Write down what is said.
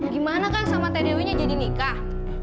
gimana kang sama teh dewi nya jadi nikah